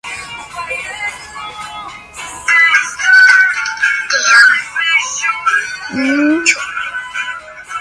Tras su retirada ha sido entrenador de equipos "amateurs" y de fútbol base.